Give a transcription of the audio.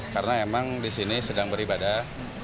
karena memang di sini sedang beribadah